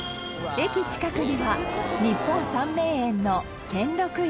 駅近くには日本三名園の兼六園